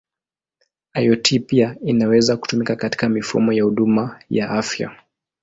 IoT pia inaweza kutumika katika mifumo ya huduma ya afya.